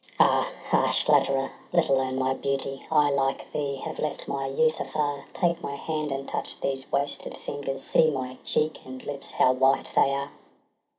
Iseult. Ah, harsh flatterer ! let alone my beauty ! I, like thee, have left my youth afar. Take my hand, and touch these wasted fingers — See my cheek and lips, how white they are